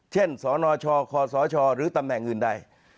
สนชคศหรือตำแหน่งอื่นใด